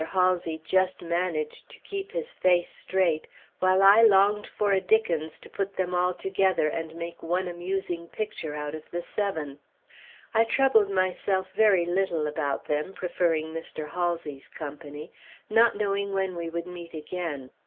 Halsey just managed to keep his face straight, while I longed for a Dickens to put them all together and make one amusing picture out of the seven. I troubled myself very little about them, preferring Mr. Halsey's company, not knowing when we would meet again.